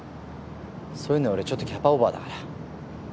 そういうの俺ちょっとキャパオーバーだから。